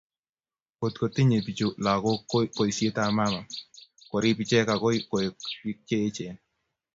Ngotko tinye bichu lagok ko boisietab mama korib ichek agoi koek bik che eechen